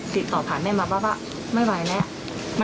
ติดต่อผ่านแม่มาว่าไม่ไหวแล้ว